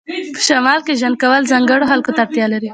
په شمال کې ژوند کول ځانګړو خلکو ته اړتیا لري